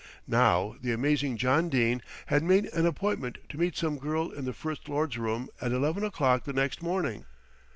Now the amazing John Dene had made an appointment to meet some girl in the First Lord's room at eleven o'clock the next morning.